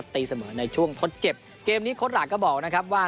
ตีเสมอในช่วงทดเจ็บเกมนี้โค้ดหลังก็บอกนะครับว่า